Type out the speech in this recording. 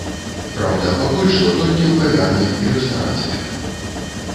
Праўда, пакуль што толькі ў кавярнях і рэстарацыях.